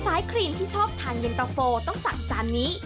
ครีมที่ชอบทานเย็นตะโฟต้องสั่งจานนี้